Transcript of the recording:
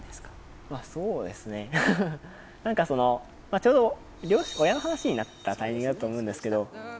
ちょうど、親の話になったタイミングだったと思うんですけど。